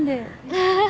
アハハ。